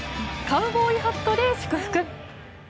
カウボーイハットで祝福。